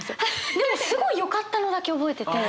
でもすごいよかったのだけ覚えてて。